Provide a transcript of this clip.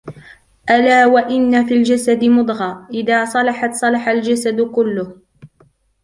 أَلاَ وَإِنَّ فِي الْجَسَدِ مُضْغَةً إِذَا صَلَحَتْ صَلَحَ الْجَسَدُ كُلُّهُ